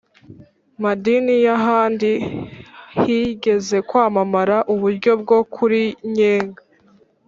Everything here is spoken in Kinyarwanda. madini y'ahandi, higeze kwamamara uburyo bwo kun nyega